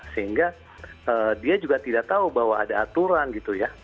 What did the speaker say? sehingga dia juga tidak tahu bahwa ada aturan gitu ya